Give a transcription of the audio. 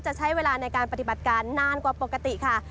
จะใช้เวลาในการปฏิบัติการนานกว่าปกติค่ะ